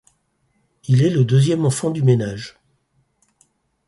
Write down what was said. Il est le deuxième enfant du ménage.